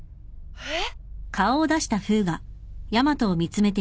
えっ！？